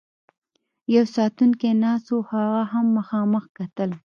یو ساتونکی ناست و، خو هغه هم مخامخ کتل.